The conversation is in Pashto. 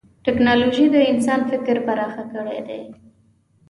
ټکنالوجي د انسان فکر پراخ کړی دی.